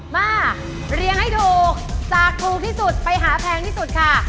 มาเรียงให้ถูกจากถูกที่สุดไปหาแพงที่สุดค่ะ